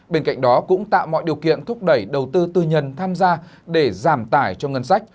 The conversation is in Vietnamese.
bên cạnh đó cũng tạo mọi điều kiện thúc đẩy đầu tư tư nhân tham gia để giảm tải cho ngân sách